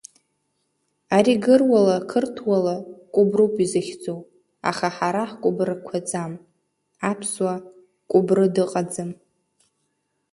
Ари гыруала, қырҭуала кәыбруп изыхьӡу, аха ҳара ҳкәыбырқәаӡам, аԥсуа кәыбры дыҟаӡам.